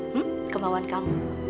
hmm kemauan kamu